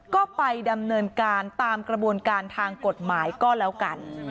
ก็ไปดำเนินการตามกระบวนการทางกฎหมายก็แล้วกัน